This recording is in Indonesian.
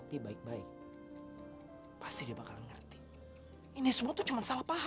jadi kepaksa deh lo nyari kerja